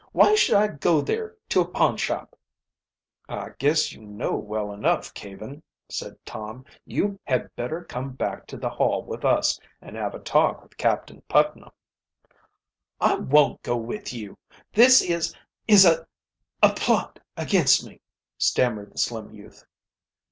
Why should I go there to a pawnshop?" "I guess you know well enough, Caven," said Tom. "You bad better come back to the Hall with us and have a talk with Captain Putnam." "I won't go with you. This is is a a plot against me," stammered the slim youth.